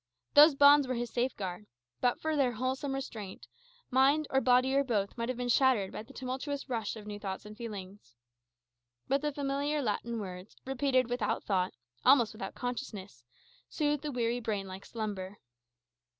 Those bonds were his safeguard; but for their wholesome restraint, mind or body, or both, might have been shattered by the tumultuous rush of new thoughts and feelings. But the familiar Latin words, repeated without thought, almost without consciousness, soothed the weary brain like a slumber.